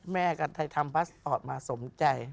แม่ก็ทำพาสตอร์ทมาสมใจ